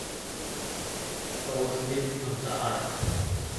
Тауыш бир, Анса-ар!